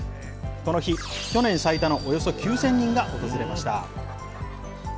この日、去年最多のおよそ９０００人が訪れました。